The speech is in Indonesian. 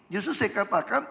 justru saya katakan